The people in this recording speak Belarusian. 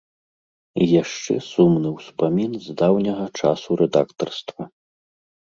І яшчэ сумны ўспамін з даўняга часу рэдактарства.